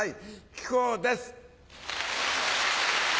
木久扇です。